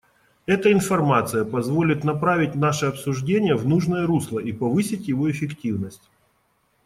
Эта информация позволит направить наше обсуждение в нужное русло и повысить его эффективность.